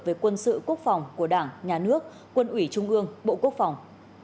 về quân sự quốc phòng của đảng nhà nước quân ủy trung ương bộ quốc phòng